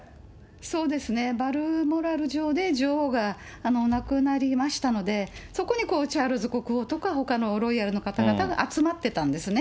そうですね、バルモラル城で女王が亡くなりましたので、そこにこう、チャールズ国王とかほかのロイヤルの方々が集まってたんですね。